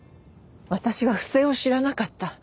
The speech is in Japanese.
私は不正を知らなかった。